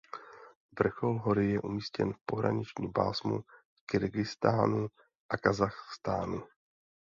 Vrchol hory je umístěn v pohraničním pásmu Kyrgyzstánu a Kazachstánu.